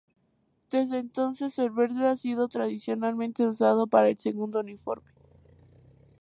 Desde entonces el verde ha sido tradicionalmente usado para el segundo uniforme.